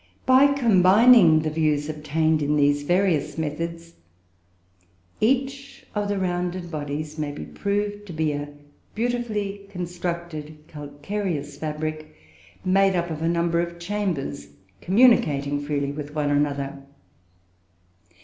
By combining the views obtained in these various methods, each of the rounded bodies may be proved to be a beautifully constructed calcareous fabric, made up of a number of chambers, communicating freely with one another.